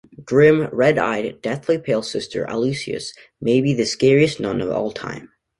Grim, red-eyed, deathly pale Sister Aloysius may be the scariest nun of all time.